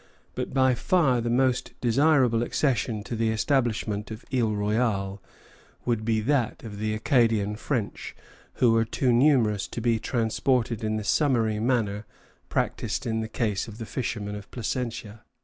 But by far the most desirable accession to the establishment of Isle Royale would be that of the Acadian French, who were too numerous to be transported in the summary manner practised in the case of the fishermen of Placentia.